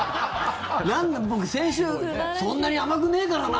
僕、先週そんなに甘くねえからな！